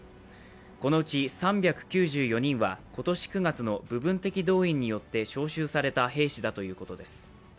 このうち３９４人は今年９月の部分的動員によって招集された兵士だということです。